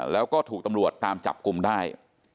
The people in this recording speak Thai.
แล้วก็ถูกตำรวจตามจับกลุ่มได้